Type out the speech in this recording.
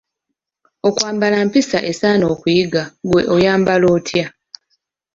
Okwambala mpisa esaana okuyiga: ggwe oyambala otya?